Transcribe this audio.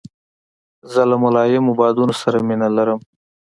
زه له ملایمو بادونو سره مینه لرم.